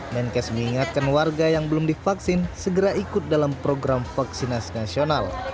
menkes mengingatkan warga yang belum divaksin segera ikut dalam program vaksinasi nasional